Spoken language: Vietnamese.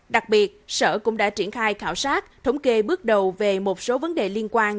đặc biệt sở cũng đã triển khai khảo sát thống kê bước đầu về một số vấn đề liên quan